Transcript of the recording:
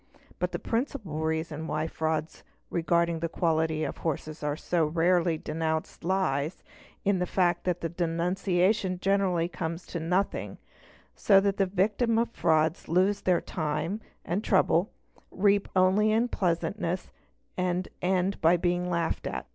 But the principal reason why frauds regarding the quality of horses are so rarely denounced lies in the fact that the denunciation generally comes to nothing, so that the victims of the frauds lose their time and trouble, reap only unpleasantness, and end by being laughed at.